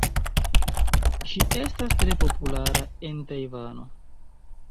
Ŝi estas tre populara en Tajvano.